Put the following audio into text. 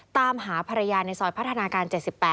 ตามหาภรรยาในซอยพัฒนาการ๗๘